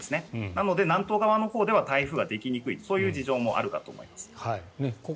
なので南東側のほうでは台風はできにくいという事情もあると思います。